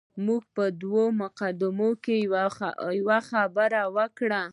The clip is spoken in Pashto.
موږ په دویمه مقدمه کې یوه خبره وکړه.